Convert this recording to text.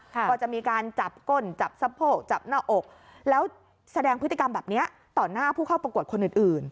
ก็จะมีการจับก้นจับสะโพกจับหน้าอกแล้วแสดงพฤติกรรมแบบนี้ต่อหน้าผู้เข้าประกวดคนอื่น